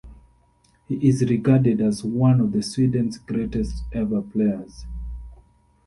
He is regarded as one of Sweden's greatest ever players.